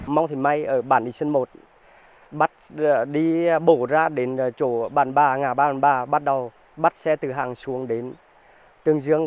mong thì may ở bản y sơn một bắt đi bổ ra đến chỗ bàn bà ngã bàn bà bắt đầu bắt xe từ hàng xuống đến tương dương